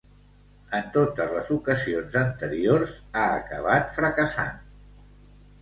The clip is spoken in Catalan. En totes les ocasions anteriors ha acabat fracassant.